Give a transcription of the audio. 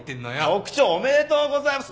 局長おめでとうございます。